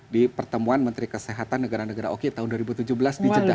di pertemuan menteri kesehatan negara negara oki tahun dua ribu tujuh belas di jeddah